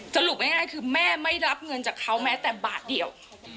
สรุปง่ายคือแม่ไม่รับเงินจากเขาแม้แต่บาทเดียว